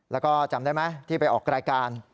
แล้วก็จำได้ไหมที่ไปออกรายการ